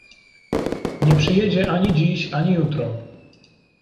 "Nie przyjedzie ani dziś, ani jutro."